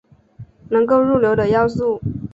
能够入流的要素。